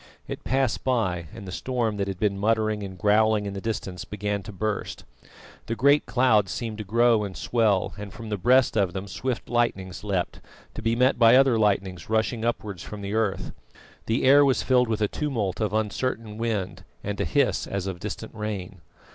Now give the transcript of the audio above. It passed by, and the storm that had been muttering and growling in the distance began to burst. The great clouds seemed to grow and swell, and from the breast of them swift lightnings leapt, to be met by other lightnings rushing upwards from the earth. The air was filled with a tumult of uncertain wind and a hiss as of distant rain.